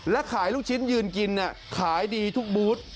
และขายลูกชิ้นยืนกินขายดีทุกบูธ